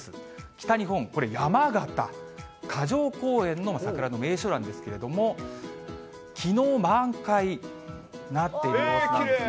北日本、これ、山形・霞城公園の桜の名所なんですけれども、きのう、満開になっている様子。